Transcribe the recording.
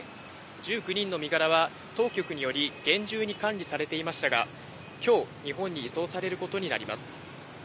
１９人の身柄は当局により厳重に管理されていましたが、今日、日本に移送されることになります。